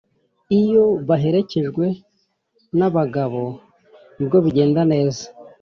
Iyo baherekejwe na bagabo nibwo bigenda neza